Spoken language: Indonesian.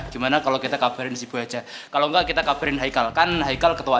gimana kalau kita kabarin sibu aja kalau enggak kita kabarin haikal kan haikal ketua